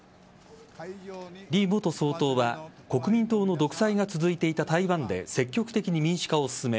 李元総統は国民党の独裁が続いていた台湾で積極的に民主化を進め